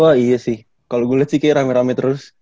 wah iya sih kalo gue liat sih kayaknya rame rame terus